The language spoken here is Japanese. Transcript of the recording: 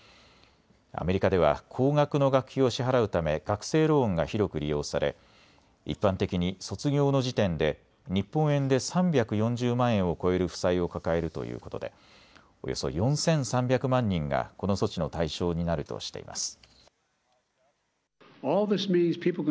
アメリカでは高額の学費を支払うため学生ローンが広く利用され一般的に卒業の時点で日本円で３４０万円を超える負債を抱えるということでおよそ４３００万人がこの措置の対象になるとしています。